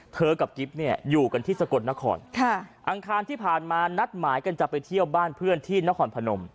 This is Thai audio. เธอกับกริ๊บนี้อยู่กันที่สะกดนคร